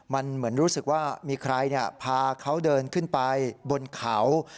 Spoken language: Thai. มันเหมือนรู้สึกว่ามีใครพาเขาเดินขึ้นไปบนเขา